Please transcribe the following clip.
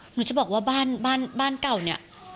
หนูจะบอกว่าบ้านบ้านเก่าเนี่ย